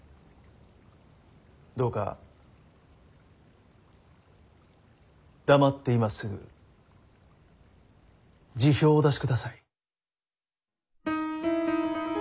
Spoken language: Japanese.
どうか黙って今すぐ辞表をお出しください。